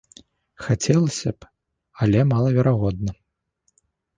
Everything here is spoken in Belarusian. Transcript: Хацелася б, але малаверагодна.